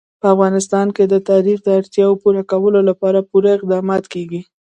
په افغانستان کې د تاریخ د اړتیاوو پوره کولو لپاره پوره اقدامات کېږي.